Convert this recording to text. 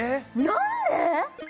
何で！？